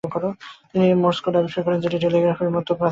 তিনি Morse code আবিষ্কার করেন, যেটি টেলিগ্রাফের প্রাথমিক ভাষা।